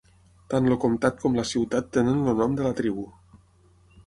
Tant el comtat com la ciutat tenen el nom de la tribu.